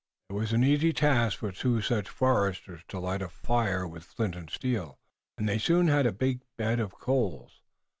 It was an easy task for two such foresters to light a fire with flint and steel, and they soon had a big bed of coals.